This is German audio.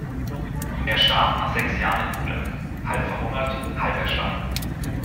Er starb nach sechs Jahren im Gulag, „halb verhungert, halb erschlagen“.